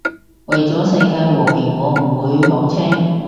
為咗世界和平我唔會學車